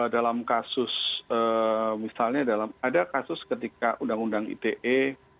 dalam kasus misalnya dalam ada kasus ketika undang undang ite